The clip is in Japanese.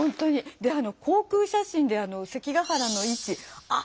であの航空写真で関ケ原の位置あっ